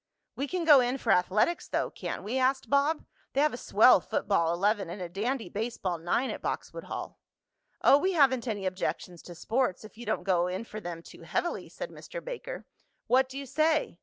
"We can go in for athletics though; can't we?" asked Bob. "They have a swell football eleven and a dandy baseball nine at Boxwood Hall." "Oh, we haven't any objections to sports, if you don't go in for them too heavily," said Mr. Baker. "What do you say?"